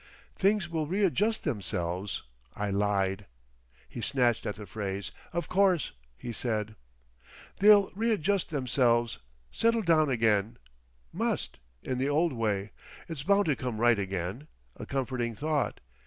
"Things will readjust themselves," I lied. He snatched at the phrase. "Of course," he said. "They'll readjust themselves—settle down again. Must. In the old way. It's bound to come right again—a comforting thought.